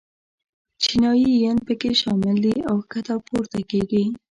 چینایي ین په کې شامل دي او ښکته پورته کېږي.